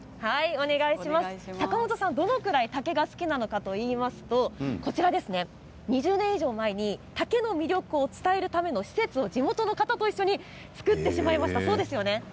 坂元さんがどのくらい竹がお好きなのかといいますと２０年以上前に竹の魅力を伝える施設を地元の人と作ってしまいました。